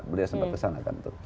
beliau sempat kesana kan